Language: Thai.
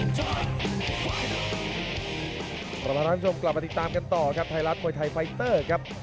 สำหรับท่านผู้ชมกลับมาติดตามกันต่อครับไทยรัฐมวยไทยไฟเตอร์ครับ